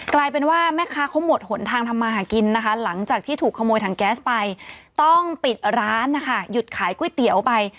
กลายเป็นว่าแม่ค้าเขาหมดหนทางทำมาหากินนะคะหลังจากที่ถูกขโมยถังแก๊สไปต้องปิดร้านนะคะหยุดขายก๋วยเตี๋ยวไป